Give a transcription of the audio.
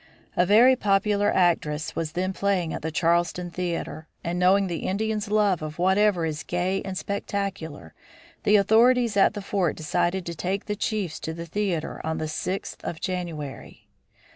A very popular actress was then playing at the Charleston theater, and knowing the Indian's love of whatever is gay and spectacular, the authorities at the fort decided to take the chiefs to the theater on the sixth of January.